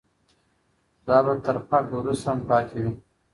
دا به تر فرد وروسته هم پاتې وي.